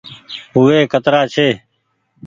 هوئي ڪترآ ڇي۔